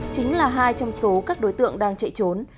chính là hai trong số các đối tượng đang chạy trốn